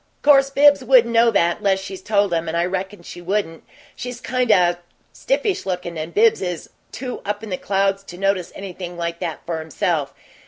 'Course Bibbs wouldn't know that unless she's told him, and I reckon she wouldn't; she's kind o' stiffish lookin', and Bibbs is too up in the clouds to notice anything like that for himself.